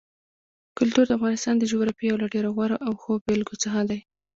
کلتور د افغانستان د جغرافیې یو له ډېرو غوره او ښو بېلګو څخه دی.